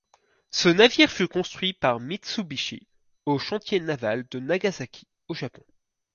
Ce navire fut construit par Mitsubishi au chantier naval de Nagasaki au Japon.